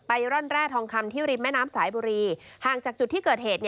ร่อนแร่ทองคำที่ริมแม่น้ำสายบุรีห่างจากจุดที่เกิดเหตุ